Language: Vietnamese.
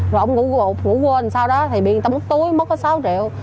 rồi ông ngủ quên sau đó thì bị người ta mất túi mất hết sáu triệu